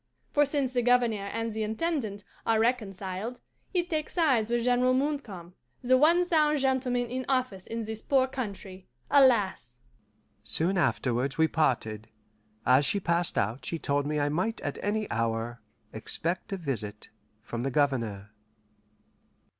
For since the Governor and the Intendant are reconciled, he takes sides with General Montcalm, the one sound gentleman in office in this poor country alas!" Soon afterwards we parted. As she passed out she told me I might at any hour expect a visit from the Governor.